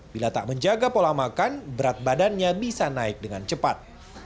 bila tak menjaga pola makan berat badannya bisa naik dengan cepat